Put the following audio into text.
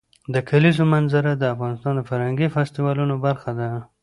د کلیزو منظره د افغانستان د فرهنګي فستیوالونو برخه ده.